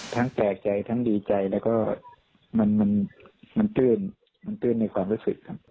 แปลกใจทั้งดีใจแล้วก็มันตื้นมันตื้นในความรู้สึกครับ